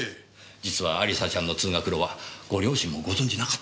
実は亜里沙ちゃんの通学路はご両親もご存じなかったんですよ。